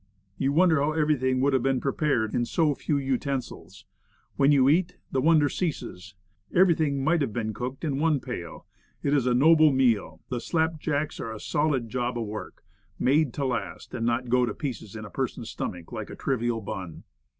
You wonder how every thing could have been prepared in so few utensils. When you eat, the wonder ceases, everything might The Bill of Fare. 73 have been cooked in one pail. It is a 3oble meaL The slapjacks are a solid job of work, made to last, and not go to pieces in a person's stomach like a trivial bun."